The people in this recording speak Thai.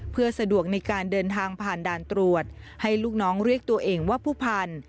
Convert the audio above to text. เพื่อสะดวกในการเดินทางผ่านด่านตรวจให้ลูกน้องเรียกตัวเองว่าผู้พันธุ